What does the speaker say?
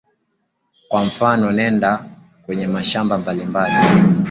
kwa mfano nenda kwenye mashamba mbalimbali